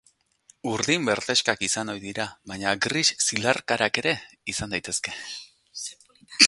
Urdin-berdexkak izan ohi dira, baina gris zilarkarak ere izan daitezke.